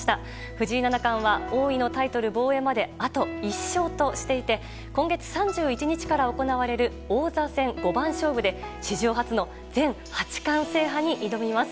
藤井七冠は王位のタイトル防衛まであと１勝としていて今月３１日から行われる王座戦五番勝負で史上初の全八冠制覇に挑みます。